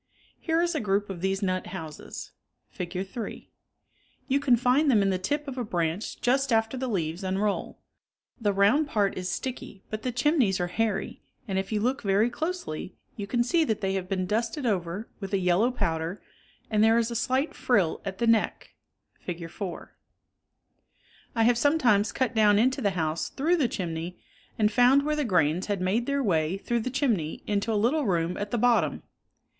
Here is a group of these nut houses (Fig. 3). You can find them in the tip of a branch just after the leaves unroll. The round part is sticky, but the chimneys are hairy and if you look very closely you can see that they have been dusted over with a yellow powder, and there is a slight frill at the neck (Fig. 4). 1 have sometimes cut down into the house through the chimney and found where the grains had made their way through the chimney into a little room at the , bottom.